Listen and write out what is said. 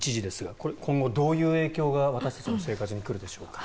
これは今後どういう影響が私たちの生活に来るでしょうか？